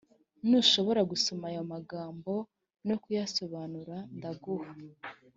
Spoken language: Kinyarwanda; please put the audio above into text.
nushobora gusoma aya magambo no kuyasobanura ndaguha